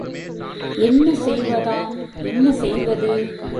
என்ன செய்வதாம் என்ன செய்வது!